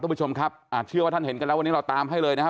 คุณผู้ชมครับอ่าเชื่อว่าท่านเห็นกันแล้ววันนี้เราตามให้เลยนะฮะ